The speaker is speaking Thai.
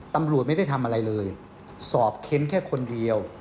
ตำรวจไม่ได้ทำอะไรเลยสอบเค้นแค่คนเดียว